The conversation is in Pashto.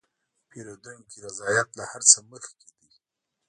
د پیرودونکي رضایت له هر څه مخکې دی.